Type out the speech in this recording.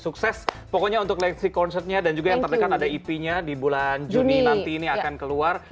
sukses pokoknya untuk ⁇ letsy concertnya dan juga yang terdekat ada ep nya di bulan juni nanti ini akan keluar